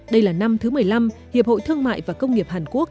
đây là năm thứ một mươi năm hiệp hội thương mại và công nghiệp hàn quốc